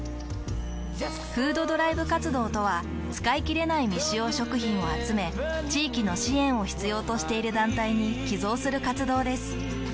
「フードドライブ活動」とは使いきれない未使用食品を集め地域の支援を必要としている団体に寄贈する活動です。